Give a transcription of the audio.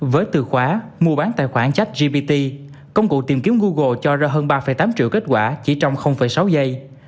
với từ khóa mua bán tài khoản chat gpt công cụ tìm kiếm google cho ra hơn ba tám triệu kết quả chỉ trong sáu giây